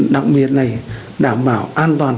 đặc biệt này đảm bảo an toàn